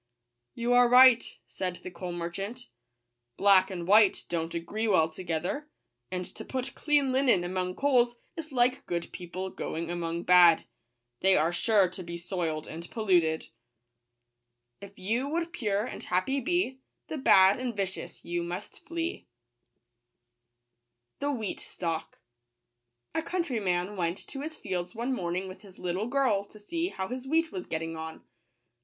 " You are right," said the coal merchant :" black and white don't agree well together ; and to put clean linen among coals is like good people going among bad — they are sure to be soiled and polluted." If you would pure and happy be, The bad and vicious you must flee. wWffCTAmlrrri/r/i '.^luiw.trxyw^ COUNTRYMAN went to his fields one morning with his little to see h° w wheat was ^ getting on.